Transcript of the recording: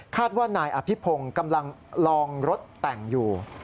ว่านายอภิพงศ์กำลังลองรถแต่งอยู่